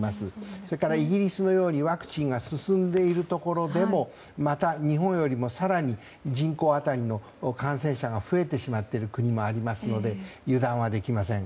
それからイギリスのようにワクチンが進んでいるところでもまた日本よりも更に人口当たりの感染者が増えてしまっている国もありますので油断はできません。